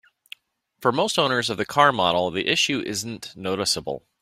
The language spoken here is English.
For most owners of the car model, the issue isn't noticeable.